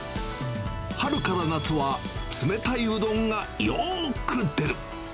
春から夏は、冷たいうどんがよーく出る。